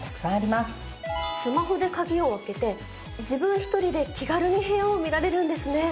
スマホで鍵を開けて自分１人で気軽に部屋を見られるんですね。